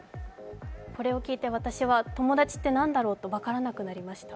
これを聞いて私は、友達って何だろうって分からなくなりました。